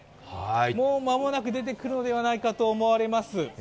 もう間もなく出てくるのではないかと思われます。